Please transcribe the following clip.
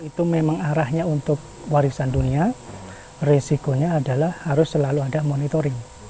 itu memang arahnya untuk warisan dunia resikonya adalah harus selalu ada monitoring